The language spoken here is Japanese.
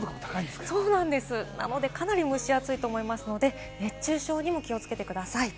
そうです、かなり蒸し暑いと思うので熱中症にも気をつけてください。